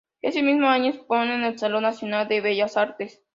Ese mismo año expone en el Salón Nacional de Bellas Artes.